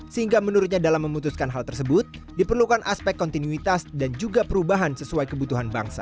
sehingga menurutnya dalam memutuskan hal tersebut diperlukan aspek kontinuitas dan juga perubahan sesuai kebutuhan bangsa